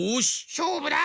しょうぶだ！